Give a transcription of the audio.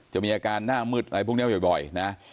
จะมีอาการหน้ามืดอะไรพวกนี้บ่อยนะ